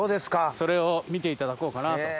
それを見ていただこうかなと。